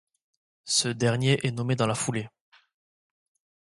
Ce dernier est nommé dans la foulée.